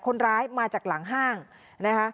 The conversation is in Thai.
คนร้ายมาจากหลังห้างนะคะ